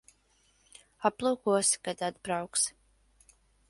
Aplūkosi, kad atbrauksi.